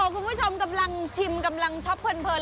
คุณผู้ชมกำลังชิมช็อปเพิน